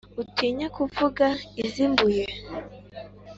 Utinye kuvuga iz' i Mbuye,